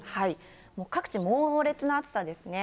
もう各地、猛烈な暑さですね。